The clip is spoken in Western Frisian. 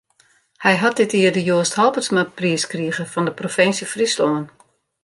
Hy hat dit jier de Joast Halbertsmapriis krige fan de Provinsje Fryslân.